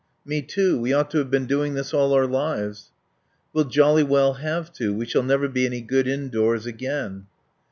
"Me too. We ought to have been doing this all our lives." "We'll jolly well have to. We shall never be any good indoors again."